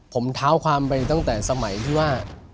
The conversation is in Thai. ผมเท้าความไปตั้งแต่สมัยที่ว่า